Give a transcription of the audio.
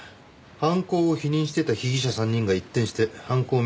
犯行を否認してた被疑者３人が一転して犯行を認める自供をしたとか。